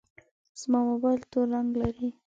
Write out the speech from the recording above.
زما موبایل تور رنګ لري.